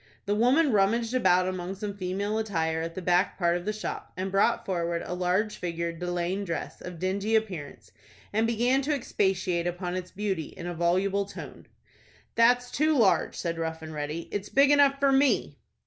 The woman rummaged about among some female attire at the back part of the shop, and brought forward a large figured de laine dress, of dingy appearance, and began to expatiate upon its beauty in a voluble tone. "That's too large," said Rough and Ready. "It's big enough for me."